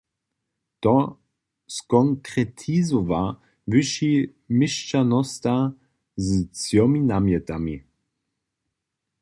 To skonkretizowa wyši měšćanosta z třomi namjetami.